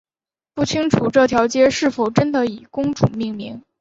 不清楚这条街是否真的以公主命名。